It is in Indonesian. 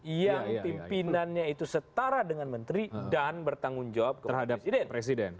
yang pimpinannya itu setara dengan menteri dan bertanggung jawab terhadap presiden